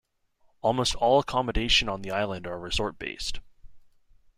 Almost all accommodation on the island are resort-based.